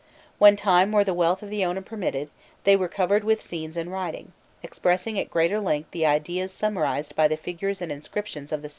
When time or the wealth of the owner permitted, they were covered with scenes and writing, expressing at greater length the ideas summarized by the figures and inscriptions of the stele.